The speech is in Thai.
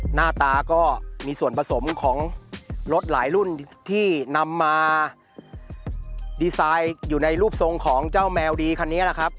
หน้าตาก็มีส่วนผสมของรถหลายรุ่นที่นำมาดีไซน์อยู่ในรูปทรงของเจ้าแมวดีคันนี้แหละครับ